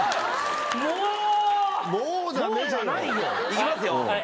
行きますよ。